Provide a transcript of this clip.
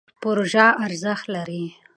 پروژه ارزښت لري.